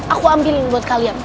aku ambilin buat kalian